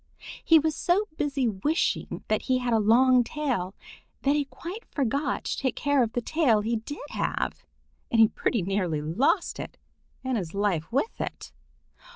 He was so busy wishing that he had a long tail that he quite forgot to take care of the tail he did have, and he pretty nearly lost it and his life with it.